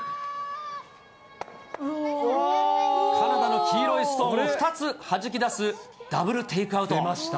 カナダの黄色いストーンを２つはじき出すダブルテイクアウト。